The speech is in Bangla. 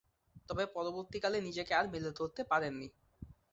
তবে, পরবর্তীকালে নিজেকে আর মেলে ধরতে পারেননি।